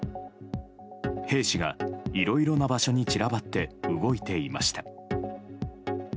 兵士が、いろいろな場所に散らばって動いていました。